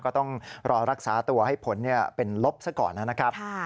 ก็ต้องรอรักษาตัวให้ผลเป็นลบซะก่อนนะครับ